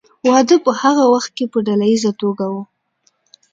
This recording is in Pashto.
واده په هغه وخت کې په ډله ایزه توګه و.